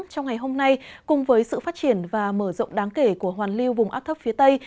trong ngày hôm nay cùng với sự phát triển và mở rộng đáng kể của hoàn lưu vùng áp thấp phía tây